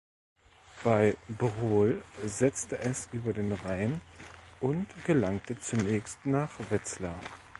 Bei Brohl setzte es über den Rhein und gelangte zunächst nach Wetzlar.